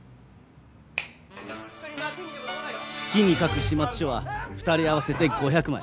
月に書く始末書は２人合わせて５００枚。